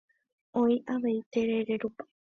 Oĩ avei terere rupa